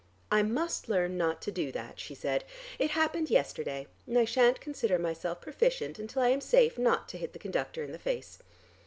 "I must learn not to do that," she said. "It happened yesterday and I shan't consider myself proficient until I am safe not to hit the conductor in the face.